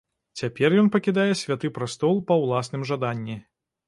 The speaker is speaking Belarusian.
Цяпер ён пакідае святы прастол па ўласным жаданні.